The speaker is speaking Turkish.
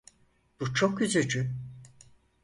Bu çok üzücü.